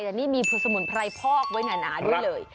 แต่นี่มีสมุนไพรพอกไว้หนาด้วยเลย